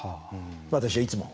私はいつも。